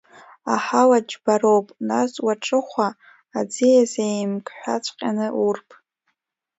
Аҳауа џьбароуп, нас, уаҿыхәа, аӡиас еимгәҳәаҵәҟьаны урп…